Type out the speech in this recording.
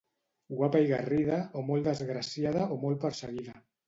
Guapa i garrida, o molt desgraciada o molt perseguida.